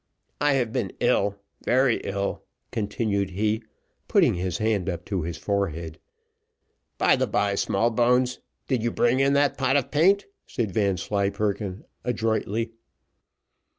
"I have been ill, very ill," continued he, putting his hand up to his forehead. "By the bye, Smallbones, did you bring in that pot of paint?" said Vanslyperken, adroitly.